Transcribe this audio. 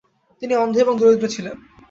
তিনি অন্ধ এবং দরিদ্র ছিলেন।